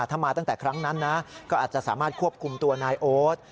ถ้ามาตั้งแต่ครั้งนั้นนะก็อาจจะสามารถควบคุมตัวนายโอ๊ต